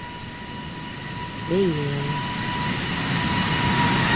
Эй- йе...